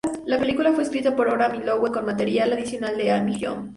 La película fue escrita por Oram y Lowe con material adicional de Amy Jump.